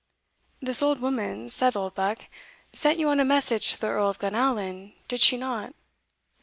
"This old woman," said Oldbuck, "sent you on a message to the Earl of Glenallan, did she not?"